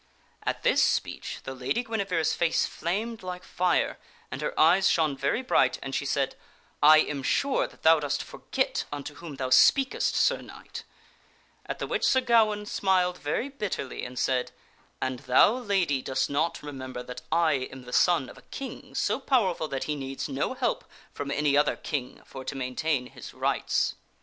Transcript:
At this speech the Lady Guinevere's face flamed like fire and her eyes shone very bright and she said, " I am sure that thou dost forget unto whom thou speakest, Sir Knight," at the which Sir Gawaine reloftiu smiled very bitterly and said, "And thou, Lady, dost not re Queen and member that I am the son of a king so powerful that he needs Sir Gawaine. ! no help from any other king for to maintain his rights.